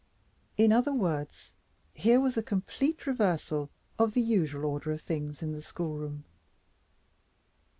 In other words, here was a complete reversal of the usual order of things in the schoolroom.